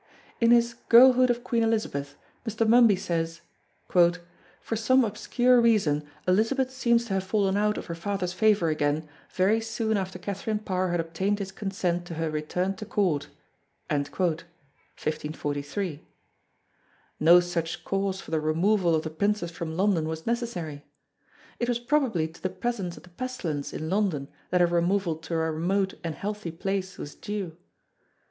In his Girlhood of Queen Elizabeth, Mr. Mumby says: "For some obscure reason Elizabeth seems to have fallen out of her father's favour again very soon after Catherine Parr had obtained his consent to her return to Court" (1543). No such cause for the removal of the Princess from London was necessary. It was probably to the presence of the pestilence in London that her removal to a remote and healthy place was due.